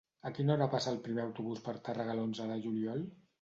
A quina hora passa el primer autobús per Tàrrega l'onze de juliol?